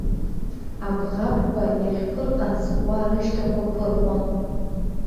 Абӷабқәа иахьԥырҟац уа рышьҭақәа ԥырҟон.